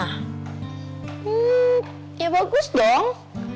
hmm ya bagus dong